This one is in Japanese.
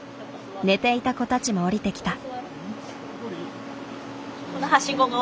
寝ていた子たちも降りてきた。